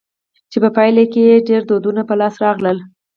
چي په پايله کښي ئې ډېر دودونه په لاس راغلل.